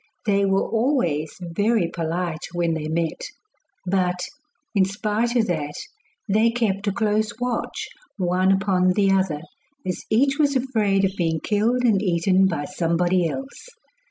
They were always very polite when they met; but, in spite of that, they kept a close watch one upon the other, as each was afraid of being killed and eaten by somebody else.